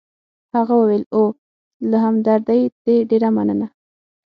هغه وویل: اوه، له همدردۍ دي ډېره مننه.